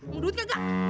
mau duit gak